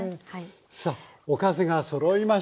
さあおかずがそろいました。